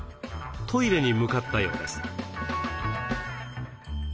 トイレに向かったようです。